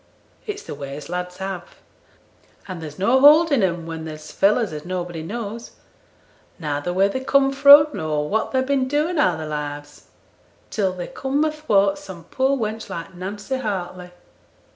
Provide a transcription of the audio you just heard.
It's the way as lads have; and there's no holding 'em when they're fellows as nobody knows neither where they come fro', nor what they've been doing a' their lives, till they come athwart some poor wench like Nancy Hartley.